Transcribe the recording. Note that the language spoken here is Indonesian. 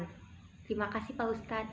terima kasih pak ustadz